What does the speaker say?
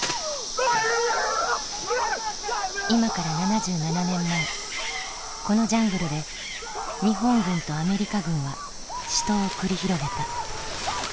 今から７７年前このジャングルで日本軍とアメリカ軍は死闘を繰り広げた。